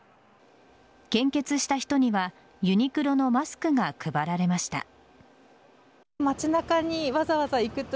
献血した人にはユニクロのマスクが配られました。